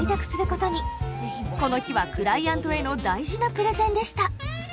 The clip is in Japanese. この日はクライアントへの大事なプレゼンでした。